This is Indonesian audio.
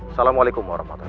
assalamualaikum orang motor